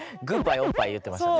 言ってましたね。